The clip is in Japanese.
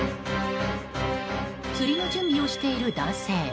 釣りの準備をしている男性。